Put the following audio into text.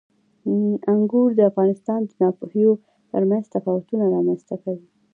انګور د افغانستان د ناحیو ترمنځ تفاوتونه رامنځ ته کوي.